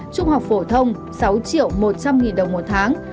trung học phổ thông sáu một trăm linh đồng một tháng